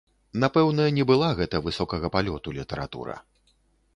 Напэўна не была гэта высокага палёту літаратура.